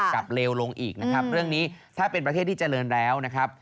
เลวลงอีกนะครับเรื่องนี้ถ้าเป็นประเทศที่เจริญแล้วนะครับ